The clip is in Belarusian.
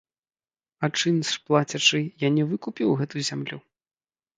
А чынш плацячы, я не выкупіў гэту зямлю?